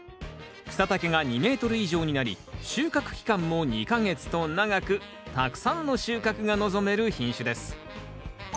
草丈が２ｍ以上になり収穫期間も２か月と長くたくさんの収穫が望める品種です。